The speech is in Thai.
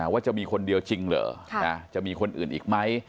ว่าจะมีคนเดียวจริงเหรอจะมีคนอื่นอีกไหม